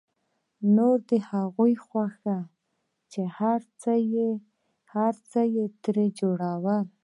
نوره د هغوی خوښه وه چې هر څه يې ترې جوړول.